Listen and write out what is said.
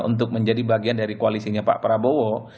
untuk menjadi bagian dari koalisinya pak prabowo